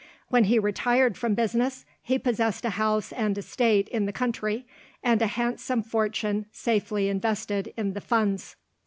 When he retired from business, he possessed a house and estate in the country, and a handsome fortune safely invested in the Funds.